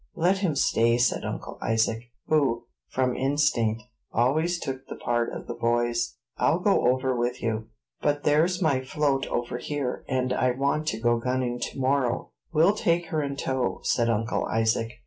"Let him stay," said Uncle Isaac, who, from instinct, always took the part of the boys; "I'll go over with you." "But there's my float over here, and I want to go gunning to morrow." "We'll take her in tow," said Uncle Isaac.